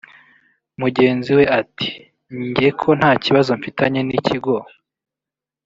Mugenzi we ati “Jye ko nta kibazo mfitanye n’ikigo